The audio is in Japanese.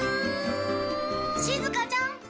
しずかちゃん。